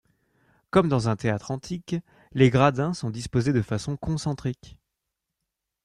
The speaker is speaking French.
Comme dans un théâtre antique, les gradins sont disposés de façon concentrique.